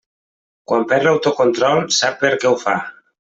Quan perd l'autocontrol sap per què ho fa.